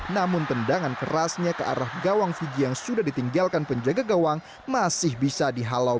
namun tendangan kerasnya ke arah gawang fiji yang sudah ditinggalkan penjaga gawang masih bisa dihalau